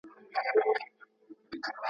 نن مي پر زړه باندي را اورې څه خوږه لګېږې